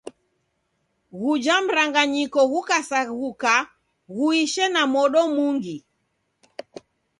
Ghuja mranganyiko ghukasaghuka, ghuishe na modo mungi.